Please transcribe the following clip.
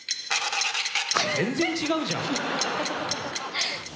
全然違うじゃん！